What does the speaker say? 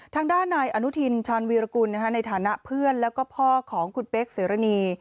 ทางด้านนายอนุทินชาญวีรกุลในฐานะเพื่อนแล้วก็พ่อของคุณเป๊กเสรณี